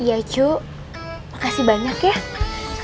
emak teh sayang sama dede